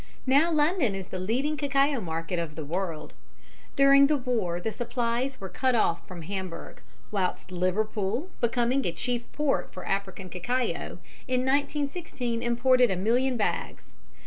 Now London is the leading cacao market of the world. During the war the supplies were cut off from Hamburg, whilst Liverpool, becoming a chief port for African cacao, in 1916 imported a million bags.